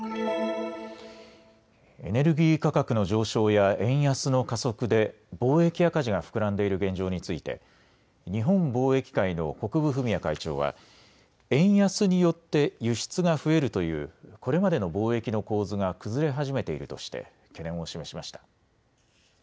エネルギー価格の上昇や円安の加速で貿易赤字が膨らんでいる現状について日本貿易会の國分文也会長は円安によって輸出が増えるというこれまでの貿易の構図が崩れ始めているとして懸念を示しました。